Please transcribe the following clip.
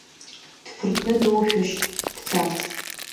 Дԥыртны доушәышьҭ дцарц.